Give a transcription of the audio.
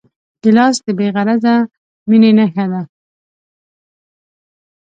ګیلاس د بېغرضه مینې نښه ده.